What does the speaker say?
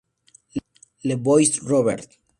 Le Bois-Robert